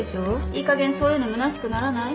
いいかげんそういうのむなしくならない？